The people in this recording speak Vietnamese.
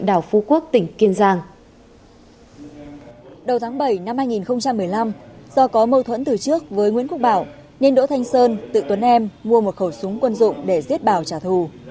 đầu tháng bảy năm hai nghìn một mươi năm do có mâu thuẫn từ trước với nguyễn quốc bảo nên đỗ thanh sơn tự tuấn em mua một khẩu súng quân dụng để giết bào trả thù